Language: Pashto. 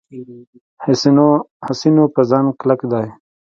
حسینو په ځان کلک دی.